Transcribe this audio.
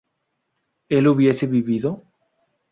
¿él hubiese vivido?